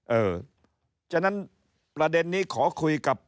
เออฉะนั้นประเด็นนี้ขอคุยกับ